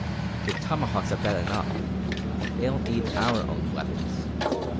Their tomahawks are bad enough they don't need our own weapons.